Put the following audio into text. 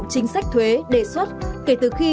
chính sách thuế đề xuất kể từ khi